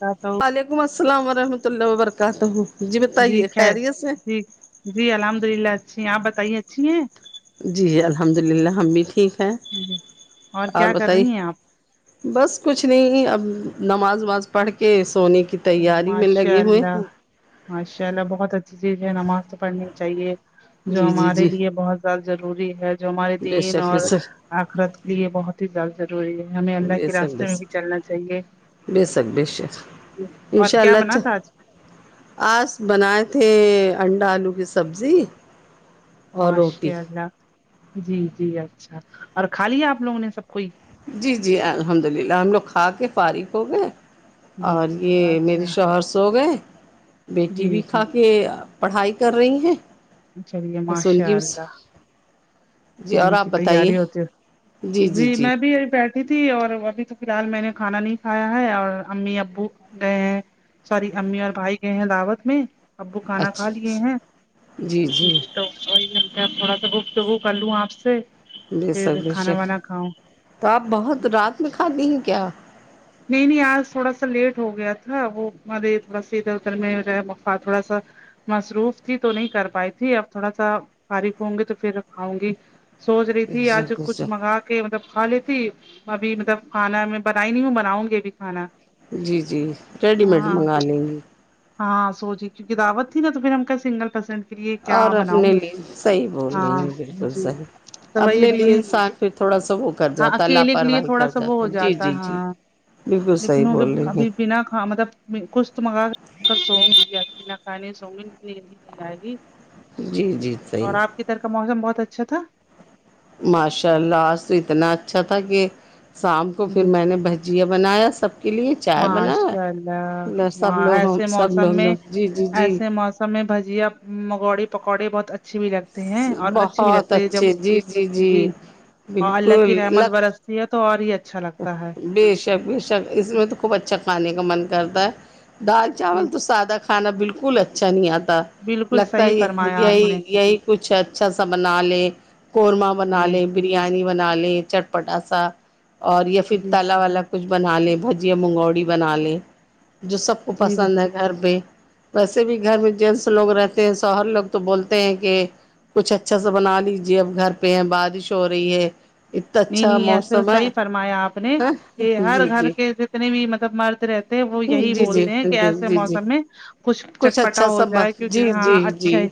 تا تعوں وعلیکم السلام ورحمۃ اللہ وبرکاتہ جی بتائیے خیریت سے جی جی الحمد للہ اچھی ہیں آپ بتائیے اچھی ہیں جی الحمد للہ ہم بھی ٹھیک ہیں اور کیا کر رہی ہیں آپ بس کچھ نہیں اب نماز وماز پڑھ کے سونے کی تیاری میں ماشاء لگے ہوئے اللہ ہیں ماشاء اللہ بہت اچھی چیز ہے نماز تو پڑھنی چاہیے جو جی جی ہمارے جی لیے بہت ضروری ہے جو ہمارے بے دین شک بے اور شک آخرت کے لیے بہت ہی زیادہ ضروری ہے ہمیں اللہ کے راستے میں بھی چلنا چاہیے بےسک بے شک اور انشاء کیا اللہ بنا اچھا تھا آج آس بنائے تھے انڈا آلو کی سبزی اور روٹی ماشاء اللہ جی جی اچھا اور کھا لیا آپ لوگوں نے سب کوئی جی جی الحمد للہ ہم لوگ کھا کے فارغ ہو گئے جی اور جی یہ میرے اچھا شوہر سو گئے بیٹی جی بھی کھا کے جی پڑھائی کر رہی ہیں چلیے بس ان ماشاء کی اللہ جی اور سونے آپ کی بتائیے تیاری ہوتی ہو جی میں بھی یہ بیھٹ کی تھی اور ابھی تو فی الحال میں نے کھانا نہیں کھایا ہے اور امی ابو گئے ہیں ساری امی اور بھائی گئے ہیں دعوت میں ابو کھانا کھا لیے ہیں اچھا جی جی تو وہی ملتا ہے تھوڑا سا گفتگو کر لوں آپ سے بےشک پھر بے کھانا شک وانا کھاؤں تو آپ بہت رات میں کھاتی ہیں کیا نہیں نہیں آج تھوڑا سا لیٹ ہو گیا تھا وہ مارے تھوڑا سا ادھر ادھر میں رہ مفع تھوڑا سا مصروف تھی تو نہیں کر پائی تھی اب تھوڑا سا فارغ ہوں گی تو پھر کھاؤں گی سوچ رہی بے تھی آج شک بے کچھ شک منگا کے مطلب کھا لیتی ابھی مطلب کھانا میں بنائی نہیں ہوں لاونگی بھی کھانا جی جی ریڈی میڈ ہاں منگا تو لیں گی ہاں سوچی کیونک دعوت تھی نا تو پھر ہم کا سنگل پرسن پھر یہ کیا اور بناؤں اپنے لیے صحیح بول رہی ہاں ہیں بالکل جی صحیح تو وہیں اپنے ابھی لیے نہیں انسان پھر تھوڑا سا وہ کر ہاں جاتا ہے اکیلے کے لیے لاپرواہی تھوڑا کر سا وہ ہو ہے جی جاتا جی جی ہاں بالکل صحیح لیکن ہوگے بول رہی ابھی بنا کھ مطلب میں کچھ تو منگا سوں گی یا کھانی سوں گی نیند ہی نہیں آئے گی جی جی صحیح اور ہے آپ ادھر کا موسم بہت اچھا تھا ماشاء اللہ آج تو اتنا اچھا تھا کہ شام کو پھر میں نے بہ جیا بنایا سب کے لیے چائے بنا ماشاء اللہ سب وہاں لوگوں ہم ایسے سب لوگوں جی جی جی ہمیں بھجیا مگوڑی پکوڑے بہت ا چھے بھی لگتے ہیں اور اچھے بھی بہت لگتے ہیں جب اچھے جی جی جی بھی اور اللہ کی بالکل رحمت لگ برس یہ تو اور ہی اچھا لگتا ہے بےشک اس میں تو خوب اچھا کھانےکا من کرتا ہے دال چاول جی تو سادہ کھانا بلکل اچھا نہیں آتا بالکل لگتا صحیح ہے یہی فرمایا آپ نے یہی یہی کچھ اچھا سا بنا لے قورمہ بنا جی لے بریانی بنا لے چٹ پٹاسا اور یا پھر جی تالا ولا کچھ بنا لیں بھجیا منگوڑی بنا لیں جو سب کو جی پسند ہے گھر پہ ویسے بھی گھر میں جینس لوگ رہتے ہیں شوہر لوگ تو بولتے ہیں کہ کچھ اچھا سا بنا لیجے اب گھر پہ ہیں بارش ہو رہی ہے اتا اچھا موسم ہے فرما یا آپ نے ہاں یہ جی ہر جی گھر کے جتنے بھی مطلب مرد رہتے ہیں وہ جی یہی جی بولتے ہیں کہ ایسے جی جی موسم میں کچھ اچھا چٹپٹا ہو سا ب جائے جی کیونکہ ہاں جی جی اچھے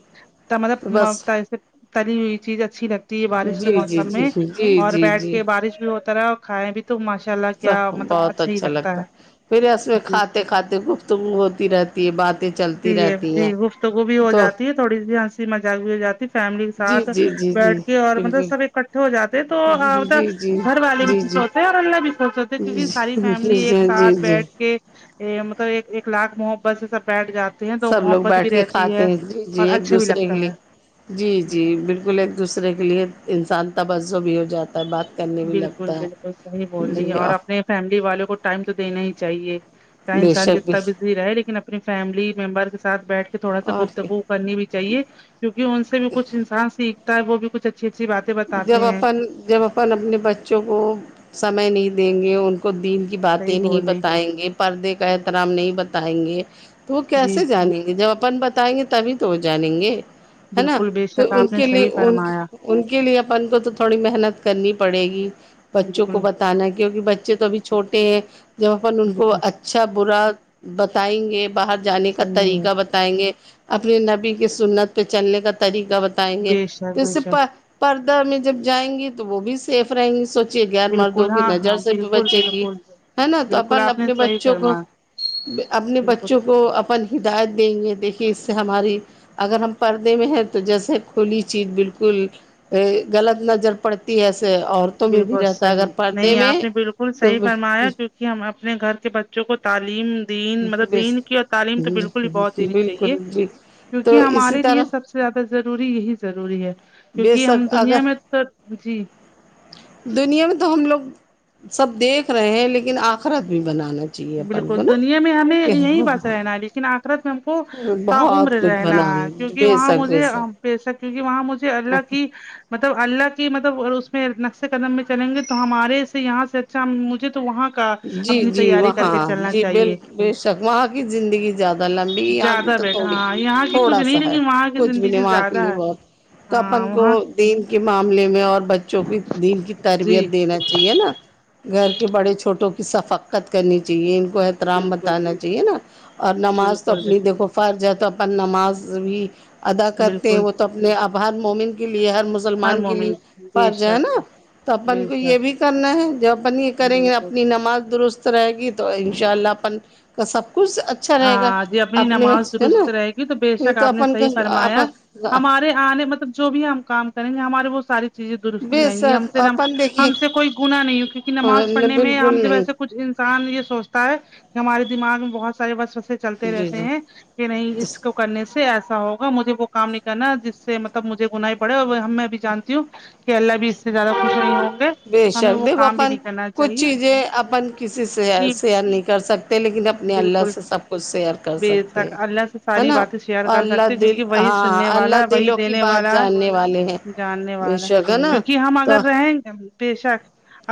تا مطلب بس م تری سے تلی ہوئی چیز اچھی لگتی ہے بارش کے جی جی موسم جی میں جی اور جی بیٹھ جی کے بارش بھی ہوتا رہا اور کھائے بھی تو ماشاء اللہ سہ کیا مطلب بہت ہی اچھا لگتا ہے پھر اس میں ہے جی کھاتے کھاتے گفتگو ہوتی رہ تی باتیں چل تی ٹھی گفتگو بھی ہو جاتی ہے تھوڑی سی ہنسی مذاق بھی ہو جاتی فیملی کے جی ساتھ جی جی جی بیٹھ کے اور مطلب بالکل سب اکٹھے ہو جاتے ہیں تو جی آ ہوتا جی جی جی گھر والے بھی خوش جی ہوتے اور الله بھی خوش ہوتے کیونکہ ساری جی فیملی جی ایک ساتھ جی بیٹھ کے یہ مطلب ایک ایک لاکھ محبت سے سب بیٹھ جا سب لوگ بیٹھ کے کھاتے ہیں جی جی اور ایک اچھا بھی دوسرے کے لگتا لیے ہے جی جی بلکل ایک دوسرے کے لیے انسان توجہ بھی ہو جاتا تب بات کرنی بلکل بلکل صحیح بول رہی ہے اور اپنے فیملی والوں کو ٹائم تو دینا ہی چاہیے چاہے بے انسان شک بے جتنا شک بزی رہے لیکن اپنی فیملی ممبر کے ساتھ بیٹھ کے تھوڑا سا اور کیا گفتگو کرنی بھی چاہیے کیونکہ ان سے بھی کچھ انسان سیکھتا ہے وہ بھی کچھ اچھی اچھی باتیں بتاتے ہیں پھر جب اپن اپنے بچوں کو سمے نہیں دیں گے ان کو دین کی باتیں صحیح نہیں بولیں بتائیں گے پردے کا احترام نہیں بتائیں گے تو وہ جی کیسے جانیں گے جب اپن ب تائیں گے تبھی تو ہو جانیں گے ہے نا بالکل بے تو شک ان آپ نے کے لیے صحیح فرمایا ان ان کے لیے اپن کو تو تھوڑی محنت کرنی پڑے گی بچوں کو بالکل بتانا کیونکہ بچے تو ابھی چھوٹے ہیں جب اپن ان کو بالکل ا چھا برا بتائیں گے باہر جانے کا صحیح ہے طریقہ بتا ائیں گے اپنے نبی کی سنت پہ چلنے کا طریقہ بتائیں گے بے شک جس بے سے شک پردہ میں جب جائیں گی تو وہ بھی سیف رہیں گی سو غیر مردوں بالکل کی ہاں نظر ہاں سے بھی بالکل بچیں گی بالکل ہے نا تو بالکل اپن آپ نے اپنے صحیح بچوں کو فرمایا ب اپنے بالکل بچوں کو اپن ہدایت دیں گے دیکھیے اس سے ہماری اگر ہم پردے میں ہیں تو جیسے کھلی چیز بالکل ا غلط نظر پڑتی ہے ایسے عورت بالکل صحیح نہیں آپ نے بالکل تو صحیح فرمایا کیونکہ ہم اپنے گھر کے ب بچوں کو تعلیم دین مطلب دین کی اور تعلیم تو بالکل ہی بہت دینی بالکل چاہیے جی تو کیونکہ اسی ہمارے لیے طرح سب سے زیادہ ضروری یہی ضروری ہے بے کیونکہ ہم شک دنیا میں اگر س جی دنیا میں تو ہم لوگ سب دیکھ رہے ہیں لیکن آخیرت بھی بنانا چاہیے اپن بالکل کو نا دنیا میں ہمیں یہی بس رہنا ہے لیکن آخرت میں ہم کو تا عمر بہت کچھ رہنا ہے بنانا کیوںکہ بے وہاں شک بے مجھے شک بیشک کیوںکہ وہاں مجھے اللہ کی مطلب اللہ کی مطلب اس میں نقش قدم میں چلیں گے تو ہمارے سے یہاں سے اچھا مجھے تو وہاں کا اپنی تیاری کر کے ہاں چلنا جی ب چاہیے بے شک وہاں کی زندگی زیادہ لمبی یہاں کی زیادہ تو بیٹا تھوڑی ہاں یہاں کی کچھ تھوڑا سا نہیں ہے لیکن وہاں کی کچھ بھی نہیں زندگی وہاں کے زیادہ لیے ہے بہت تو ہاں اپن کو وہاں دین کے معاملے میں اور بچوں کی دین کی جی تربیت دینا چاہیے نا گھر کے بڑے چھوٹوں کی صفقت کرنی چاہیے ان کو احترام بالکل بتانا چاہیے نا اور نماز تو بالکل اپنی دیکھو فرض ہے تو اپن نماز بھی ادا کرتے ہیں بالکل وہ تو اپنے اب ہر مومن کے لیے ہر ہر مسلمان کے لیے مومن بے فرض ہے نا شک تو اپن بے کو یہ شک بھی کرنا ہے جب اپن یہ کریں گے بالکل اپنی نماز درست رہے گی تو ان شاء اللہ اپن کا سب کچھ اچھ ہاں جی اپنی نماز درست رہے گی تو بے یہ شک تو آپ نے اپن کا صحیح فرمایا اپن ہمارے آ نے مطلب جو بھی ہم کام کریں گے ہمارے وہ ساری چیزیں درست بے رہیں گی ہم شک سے اپن دیکھیے ہم سے کوئی گنا نہیں ہو کیونکہ نماز پڑھنے میں ہم بالکل جب نہیں ایسے کچھ انسان یہ سوچتا ہے کہ ہمارے دماغ میں بہت سارے وسوسے چلتے جی رہتے ہیں کہ نہیں جی اس کو کرنے سے ایسا ہوگا مجھے وہ کام نہیں کرنا جس سے مطلب مجھے گناہ ہی بڑھے اور ہم میں بھی جانتی ہوں کہ اللہ بھی اس سے زیادہ خوش نہیں ہوں گے بے ہمیں شک وہ دیکھو کام بھی اپن نہیں کرنا کچھ چاہیے چیزیں اپن کسی سے جی سئر نہیں کر سکتے لیکن اپنے اللہ بالکل سے سب کچھ شیئر کر بے سکتے سک ہیں اللہ سے ہے ساری نا باتیں شیئر کر اللہ سکتے دل کیونکہ وہی ہاں سننے اللہ والا وہی دلوں کی دینے بات والا جاننے والے ہیں ہے جاننے بے والا شک ہے نا کیونکہ ہم تو اگر رہیں گے بیشک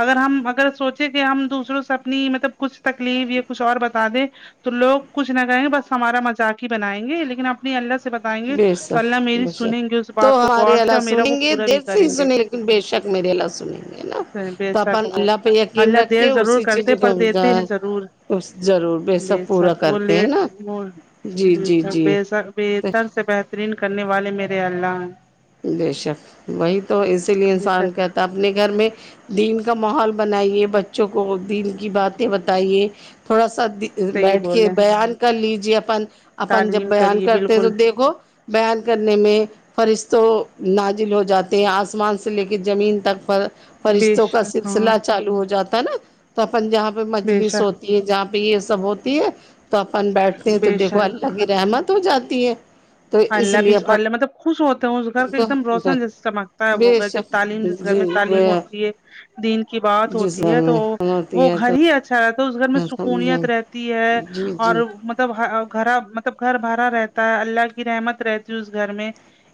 اگر ہم اگر سوچیں کہ ہم دوسروں سے اپنی مطلب کچھ تکلیف یا کچھ اور بتا دیں تو لوگ کچھ نہ کہیں گے بس ہمارا مذاق ہی بنائیں گے لیکن آپ اپنے اللہ سے بتائیں گے بے تو اللہ شک میری بے سنیں گے اس شک تو بات کو ہمارے غور سے اللہ اور میرا وہ سنیں گے پورا بھی دیر سے کریں ہی گے سنیں بے شک میرے اللہ سنیں گے نا بے تو اپن شک وہ اللہ پہ یقین اللہ رکھ کے دیر ضرور اسی چیز کرتے کو پر دیتے ہیں ضرور اس ضرور بے پورا شک وہ کرتے ہیں لیٹ نا وہ جی بے جی شک جی بےسک بہتر سے بہترین کرنے والے میرے اللہ ہیں بے شک وہی تو اسی لیے جی سر انسان کہتا ہے اپنے گھر میں دین کا ماحول بنائیے بچوں کو دین کی باتیں بتائیے تھوڑا سا صحیح بیٹھ کے بولے بیان کر لیجے اپن اپن جب تعلیم بیان کریے کرتے ہیں بالکل تو دیکھو بیان کرنے میں فرشت تو نازل ہو جاتے ہیں آسمان سے لے کے زمین تک پر بے فشتوں کا شک ہاں سلسلہ چالو ہو جاتا ہے نا تو اپن جہاں پہ بے مجلس ہو شک تی ہے جہاں پہ یہ سب ہوتی ہے تو اپن بیٹھتے ہیں تو بے دیکھو شک اللہ کی رحمت ہو جاتی ہے تو اس اللہ بھی لیے اپن اللہ مطلب خوش ہوتے ہیں اس گھر کا ایکدم کو روشن جیسے چمکتا ہے وہ بے جب شک تعلیم جس گھر جی میں تعلیم ہوتی ہے دین کی بات جس ہوتی گھر ہے تو میں ہوتی وہ ہے تو گھر ہی اچھا رہتا ہے اس گھر میں سکنیت رہتی تی ہے جی اور جی مطلب گھرا مطلب گھر بھرا رہتا ہے اللہ کی رحمت رہتی ہے اس گھر میں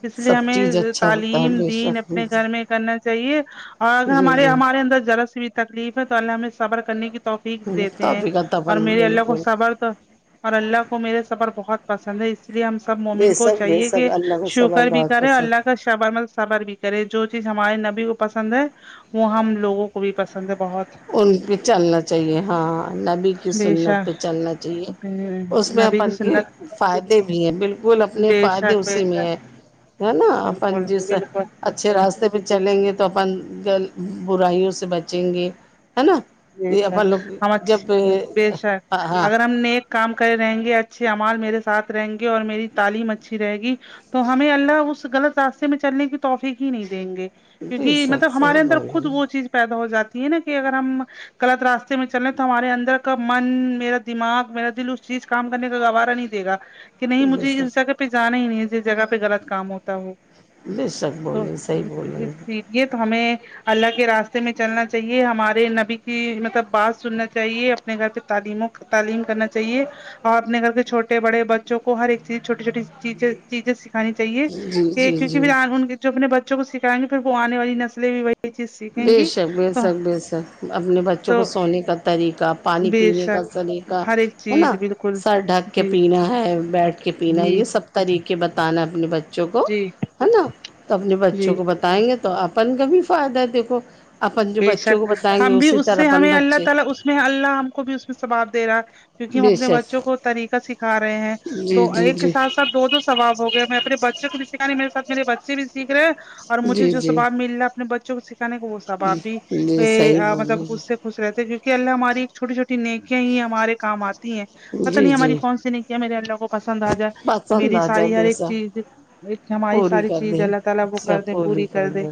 اس لیے سب چیز ہمیں اچھا ہوتا ہے تعلیم بے دین شک اپنے گھر میں کرنا چاہیے اور اگر جی ہمارے جی ہمارے اندر ذرا سی بھی تکلیف ہے تو اللہ ہمیں صبر کرنے کی توقیق دیتے ہیں توفیق عطا اور فرما میرے اللہ کو بالکل صبر کا اور اللہ کو میرے صبر بہت پسند ہے اس لیے ہم سب سب بے مومن کو شک بے چاہیے شک کہ اللہ کو صبر شکر بھی بہت کرے پسند اللہ شبر مل صبر بھی کرے جو چیز ہمارے نبی کو پسند ہیں وہ ہم لوگوں کو بھی پسند ہے بہت ان پہ چلنا چاہیے ہاں نبی کی بے سنت پہ شک چلنا چاہیے اس میں نبی کی اپن کے سنت فائدے بھی ہیں بالکل اپنے بے فائدے شک بے اسی میں ہیں شک ہے نا اپن بالکل جیسے بالکل اچھے راستے پے چلیں گے تو اپن گل برائیوں سے بچیں گے ہے نا بے یہ اپن شک لوگ جب ہم بے شک ہاں اگر ہم نے کام کرے رہیں گے اچھے امال میرے ساتھ رہیں گے اور میری تعلیم اچھی رہے گی تو ہمیں اللہ اس غلط راستے میں چلنے کی توفیق ہی نہیں دیں گے بے کیونکہ شک مطلب ہمارے صحیح اندر بولیں خود وہ گے چیز پیدا ہو جاتی ہے نا کہ اگر ہم غلط راستے میں چلنے تو ہمارے اندر کا من میرا دماغ میرا دل اس چیز کام کرنے کا گوارہ نہیں دے گا کہ نہیں بے مجھے اس شک جگہ پہ جانا ہی نہیں ہے جس جگہ پہ غلط کام ہوتا ہو بے شک بولیں صحیح بولیں ہے یہ تو ہمیں اللہ کے راستے میں چلنا چاہیے ہمارے نبی کہ مطلب بات سننا چاہیے اپنے گھر پہ تعلیموں تعلیم کرنا چاہیے اور اپنے گھر کے چھوٹے بڑے بچوں کو ہر ایک چیز چھوٹی چھوٹی چیز چیزیں س ھانی چاہیے جی کہ جی جی کیونک آنے والے جو اپنے بچوں کو سکھائیں گے پھر وہ آنے والی نسلیں بھی وہی چیز سیکھیں بے گی شک بے تو شک بے شک اپنے بچ بچوں تو کو سونے کا طریقہ پانی بے پینے کا شک سلیقہ ہر ایک ہے نا چیز بالکل سر ڈھک کے جی پینا ہے بیٹھ کے پینا ہے جی یہ سب طریقے بتانا اپنے بچوں کو جی ہے نا تو اپنے جی بچوں کو ب بتائیں گے تو اپن کا بھی فائدہ ہے دیکھو اپن جو بچوں کو بےشک بتائیں گے ہم بھی اسی اس طرح سے اپن ہمیں اللہ بچے تعالی اس میں اللہ ہم کو بھی اس میں ثباب دے رہا ہے کیونکہ ہم بے اپنے شک بچوں کو طریقہ سکھا رہے ہیں جی تو جی ایک جی حساب سے دو دو ثواب ہو گئے میں اپنے بچے کو بھی سکھا نہیں میرے ساتھ میرے بچے بھی سیکھ رہے ہیں اور مجھے جی جو جی ثباب مل رہا ہے اپنے بچوں کو سکھانے کا وہ ثباب بھی جی صحیح مطلب بولے اس سے خوش رہتے ہیں کیوکے اللہ ہماری ایک چھوٹی چھوٹی نیکیا ہی ہمارے کام آ تی ہیں پتا جی نہیں ہماری جی کون سی نہیں کیا میرے اللہ کو پسند آ جائے تو پسند میری آ جائے ساری ہر بے ایک شک چیز ایک ہماری پوری ساری کر چیز دیں اللہ تعالی وہ اچھا کر دیں پوری کر دیں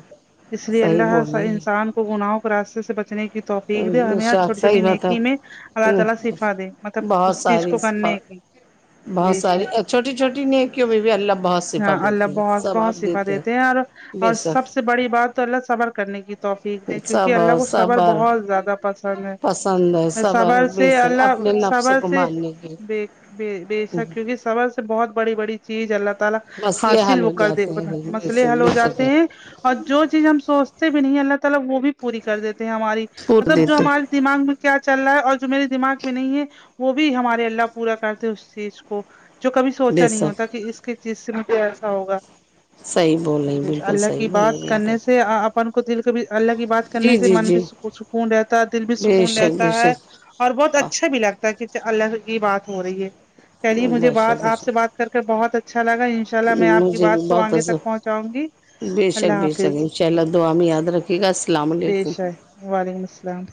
اس لیے صحیح اللہ بول رہے ان ہیں انسان کو گناہوں کو راستہ سے بچنے کی کی توفیق دے ہمیں ہار شاخ چھوٹی چھوٹی صحیح بات ہے نیکی میں اللہ تعالی ہ شفا دے مطلب بہت اس چیز ساری کو کرنے کی بہت بے ساری شک چھوٹی چھوٹی نکییوں میں بھی اللہ بہت صفا ہاں اللہ دیتے ہیں بہت سب آپ بہت شفا دیتے ہیں اور بے اور سب شک سے بڑی بات تو اللہ صبر کرنے کی توفیق دے کیونکہ اللہ کو صبر بہت زیادہ پسند پسند ہے صبر بے سے یا شک اللہ اپنے نفس صبر کو سے ماننے کے بے بیچ اس کا رزق صبر سے بہت بڑی بڑی چیز اللہ تعالی مسئلے حاصل حل ہو وہ کر جاتے دیکھو ہیں بے مسئلے شک حل ہو بے جاتے ہیں شک اور جو چیز ہم سوچتے بھی نہیں اللہ تعالی وہ بھی پوری کر دیتے ہیں ہماری پور مطلب جو دیتے ہماری دماغ میں کیا چل رہا ہے اور جو میرے دماغ میں نہیں ہے وہ بھی ہمارے اللہ پورا کرتے ہے اس چیز کو جو کبھی سوچا بے نہیں شک ہوتا کہ اس کے چیز سے مجھے ایسا ہوگا صحیح بول رہی ہیں، بالکل اللہ صحیح کی بول بات رہی ہیں کرنے آپ سے اپن کو دل کو بھی اللہ کی بات کرنے جی سے جی من بھی جی سکون رہتا ہے دل بھی بے سکون شک رہتا بے ہے شک اور بہت اچھا بھی لگتا ہے کہ اللہ کی بات ہو رہی ہے چلیے مجھے بے شک بات بے آپ سے شک بات کر کے بہت اچھا اچھا لگا ان شاء اللہ میں آپ کی مجھے بات بھی کو بہت آگے اثر تک پہنچاوں گی بے شک اللہ بے شک حافظ انشاء اللہ دعا میں یاد رکھیے گا السلام علیکم بیشک وعلیکم السلام